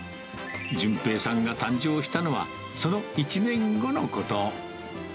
淳平さんが誕生したのは、その１年後のこと。